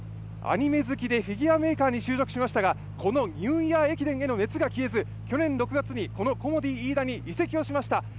アニメ好きでフィギュアメーカーに就職しましたが、このニューイヤー駅伝への熱が消えず去年６月にコモディイイダに移籍をしました。